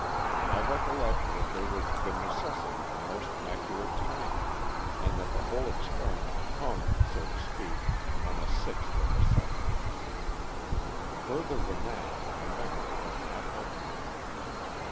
I recollect that there was the necessity for most accurate timing, and that the wTole experiment hung, so to speak, on a sixth of a second. Further than that my memory has not helped me.